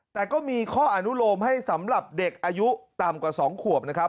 แต่ก็มีข้ออนุโลมให้สำหรับเด็กอายุต่ำกว่า๒ขวบนะครับ